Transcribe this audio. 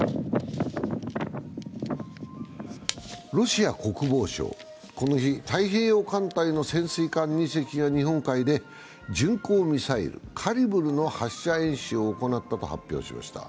ロシア国防省は、この日、太平洋艦隊の潜水艦２隻が日本海で巡航ミサイル、カリブルの発射演習を行ったと発表しました。